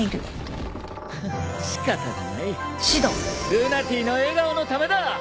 ルナティの笑顔のためだ！